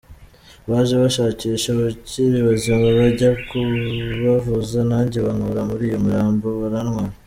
Baje bashakisha abakiri bazima bajya kubavuza, nanjye bankura muri iyo mirambo barantwara.